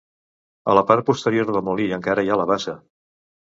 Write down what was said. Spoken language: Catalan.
A la part posterior del molí encara hi ha la bassa.